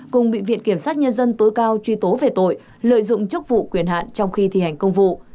cùng bị viện kiểm sát nhân dân tối cao truy tố về tội lợi dụng chức vụ quyền hạn trong khi thi hành công vụ